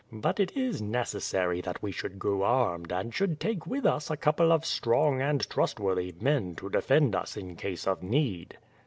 "But it is necessary that we should go armed and should take with us a couple of strong and trustworthy men to defend us in case of need.